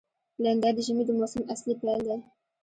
لېندۍ د ژمي د موسم اصلي پیل دی.